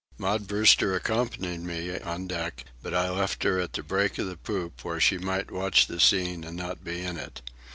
Maud Brewster accompanied me on deck, but I left her at the break of the poop, where she might watch the scene and not be in it.